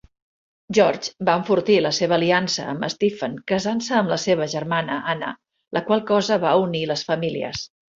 George va enfortir la seva aliança amb Stephen casant-se amb la seva germana Anna, la qual cosa va unir les famílies.